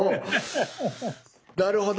なるほど！